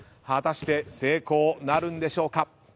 果たして成功なるんでしょうか。